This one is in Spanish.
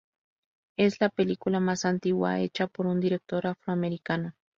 Es la película más antigua hecha por un director afroamericano.